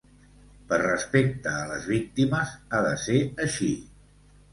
Per respecte a les víctimes, ha de ser així.